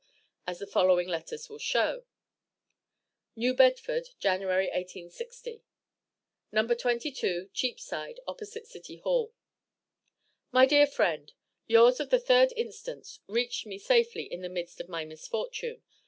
as the following letters will show: NEW BEDFORD, Jan., 1860. No. 22, Cheapside, opposite City Hall. My Dear Friend: Yours of the 3d inst. reached me safely in the midst of my misfortune.